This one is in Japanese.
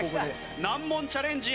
難問チャレンジ